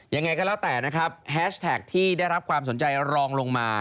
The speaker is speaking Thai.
ยังไงก็แล้วแต่นะครับแฮชแท็กที่ได้รับความสนใจรองลงมา